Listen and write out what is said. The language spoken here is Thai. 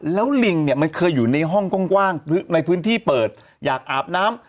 แล้วลิงเนี่ยมันเคยอยู่ในห้องกว้างในพื้นที่เปิดอยากอาบน้ำ